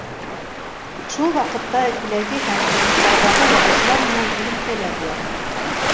Шул уҡ ваҡытта Өфөләге һәм фронттарҙағы яҙыусылар менән элемтәлә була.